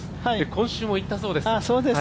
今週も行ったそうです。